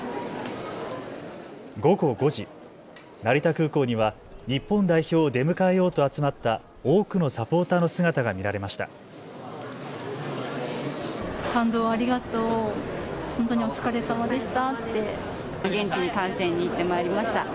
午後５時、成田空港には日本代表を出迎えようと集まった多くのサポーターの姿が見られました。